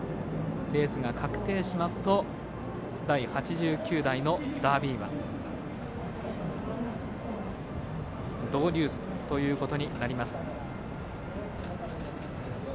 レースが確定しますと第８９代のダービー馬ドウデュースということになります。